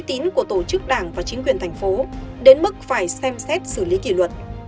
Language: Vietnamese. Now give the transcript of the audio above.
tín của tổ chức đảng và chính quyền thành phố đến mức phải xem xét xử lý kỷ luật